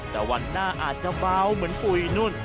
แต่วันหน้าอาจจะเบาเหมือนปุ๋ยนุ่น